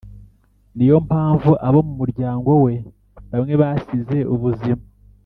Ni yo mpamvu abo muryango we bamwe basize ubuzima